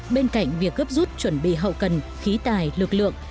bên cạnh việc gấp rút chuẩn bị hậu cần khí tài lực lượng